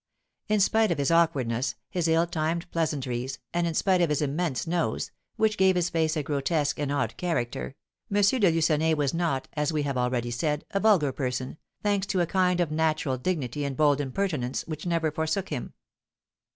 In spite of his awkwardness, his ill timed pleasantries, and in spite of his immense nose, which gave his face a grotesque and odd character, M. de Lucenay was not, as we have already said, a vulgar person, thanks to a kind of natural dignity and bold impertinence, which never forsook him.